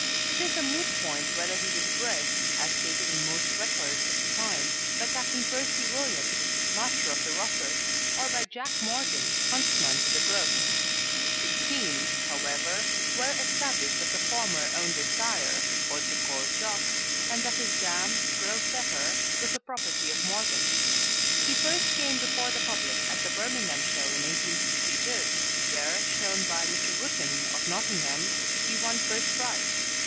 It is a moot point whether he was bred, as stated in most records of the time, by Captain Percy Williams, master of the Rufford, or by Jack Morgan, huntsman to the Grove; it seems, however, well established that the former owned his sire, also called Jock, and that his dam, Grove Pepper, was the property of Morgan. He first came before the public at the Birmingham show in 1862, where, shown by Mr. Wootton, of Nottingham, he won first prize.